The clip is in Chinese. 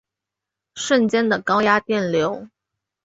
瞬间的高压电流